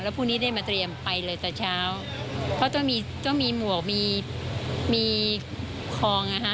แล้วพรุ่งนี้ได้มาเตรียมไปเลยต่อเช้าเพราะต้องมีต้องมีหมวกมีมีคลองอ่ะฮะ